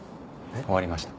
終わりました。